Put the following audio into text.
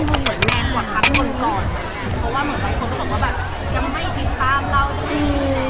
เพราะว่าเหมือนกันคนก็ต้องว่ายังไม่คิดตามเล่าอยู่